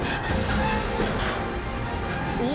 お！